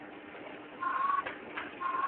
ماشومانو ته د ماشومتوب د لوبو اجازه ورکړئ.